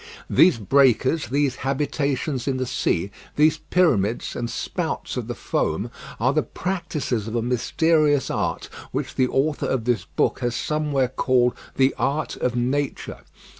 These breakers, these habitations in the sea, these pyramids, and spouts of the foam are the practicers of a mysterious art which the author of this book has somewhere called "the Art of Nature."